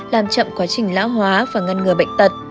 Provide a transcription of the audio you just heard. làm chậm quá trình lão hóa và ngăn ngừa bệnh tật